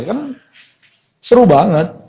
kan seru banget